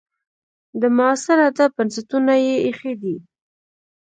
د معاصر ادب بنسټونه یې ایښي دي.